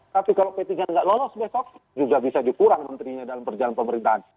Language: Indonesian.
tapi kalau p tiga nggak lolos besok juga bisa dikurang menterinya dalam partai